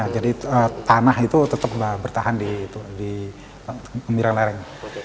jadi tanah itu tetap bertahan di kemiringan lereng